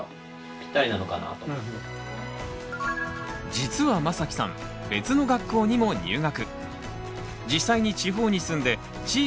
実はまさきさん別の学校にも入学。